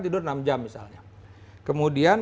tidur enam jam misalnya kemudian